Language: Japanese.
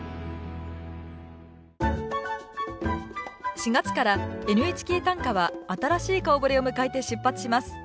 ４月から「ＮＨＫ短歌」は新しい顔ぶれを迎えて出発します。